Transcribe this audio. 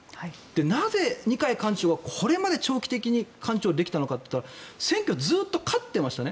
なぜ、二階幹事長がこれまで長期的に幹事長ができたのかというと選挙ずっと勝っていましたね。